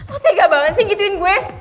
lo tega banget sih ngikutin gue